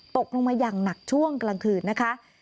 ตกลงมาอย่างหนักช่วงกลางคืนนะคะ